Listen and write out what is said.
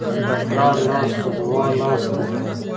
د پلار لاس د دعا لاس دی.